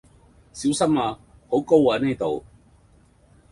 小心呀！好高呀呢度